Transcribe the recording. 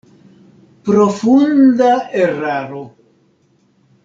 Profunda eraro!